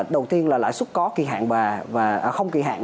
đầu tiên là lãi suất có kỳ hạn ba và không kỳ hạn